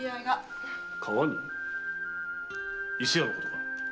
伊勢屋のことか？